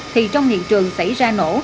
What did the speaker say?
thì trong hiện trường xảy ra nổ